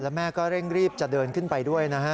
แล้วแม่ก็เร่งรีบจะเดินขึ้นไปด้วยนะฮะ